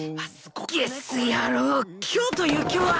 ゲス野郎今日という今日は！